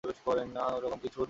না, ওরকম কিছু না।